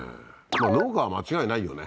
農家は間違いないよね